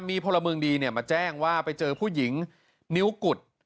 มีพลเมืองดีมาแจ้งว่าไปเจอผู้หญิงนิ้วกุด